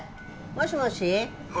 もしもし。